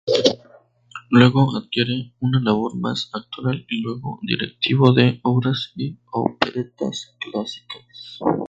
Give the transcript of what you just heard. Luego adquiere una labor mas actoral y luego directivo de obras y operetas clásicas.